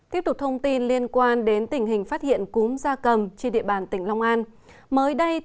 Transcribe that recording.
tiếp tục thông tin liên quan đến tình hình phát hiện cúm da cầm trên địa bàn tỉnh long an mới đây